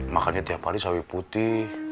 makannya tiap hari sawi putih